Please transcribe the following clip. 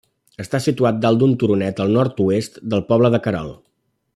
Està situat dalt d'un turonet al nord-oest del poble de Querol.